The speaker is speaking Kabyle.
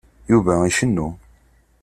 Yuba icennu.